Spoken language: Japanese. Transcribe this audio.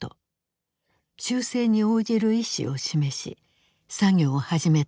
修正に応じる意思を示し作業を始めたという。